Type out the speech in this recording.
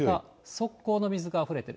側溝の水があふれている。